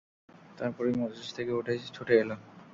তারপরই মজলিস থেকে উঠে ছুটে এল।